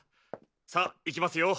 さあ行きますよ！